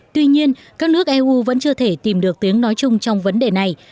tuy nhiên các nước eu vẫn chưa thể tìm được tiếng nói chung trong vấn đề này